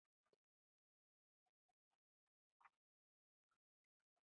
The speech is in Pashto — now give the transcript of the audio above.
زېرمې ژغورئ.